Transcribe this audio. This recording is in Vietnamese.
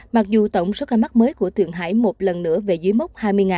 mặc dù tổng số ca mắc mới của thường hải một lần nữa về dưới mốc hai mươi